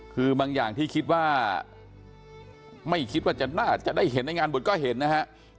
คือบางอย่างที่คิดว่าไม่คิดว่าน่าจะได้เห็นในงานบวชก็เห็นนะฮะ